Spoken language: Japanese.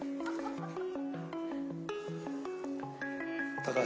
高橋。